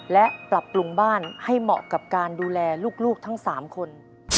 และปรับปรุงบ้านให้เหมาะกับการดูแลลูกทั้ง๓คน